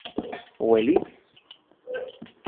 ¿Uelis...?